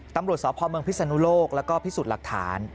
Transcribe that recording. ตำรวจสอบพ่อเมืองพิษฎุโลกและพิสูจน์หลักฐาน